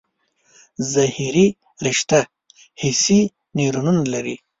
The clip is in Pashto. ظهري رشته حسي نیورونونه لري.